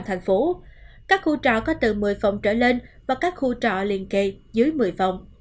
thành phố các khu trò có từ một mươi phòng trở lên và các khu trọ liên kề dưới một mươi phòng